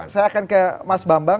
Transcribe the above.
saya akan ke mas bambang